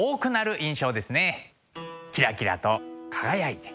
キラキラと輝いて。